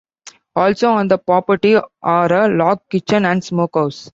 Also on the property are a log kitchen and smokehouse.